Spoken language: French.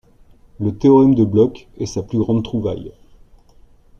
Le théorème de Bloch est sa plus grande trouvaille.